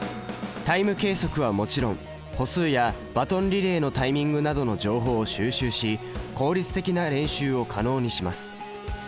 タイム計測はもちろん歩数やバトンリレーのタイミングなどの情報を収集し効率的な練習を可能にします。